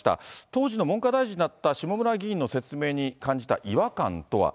当時の文科大臣だった下村議員の説明に感じた違和感とは。